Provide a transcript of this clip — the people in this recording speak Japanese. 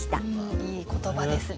いい言葉ですね。